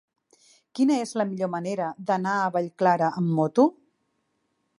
Quina és la millor manera d'anar a Vallclara amb moto?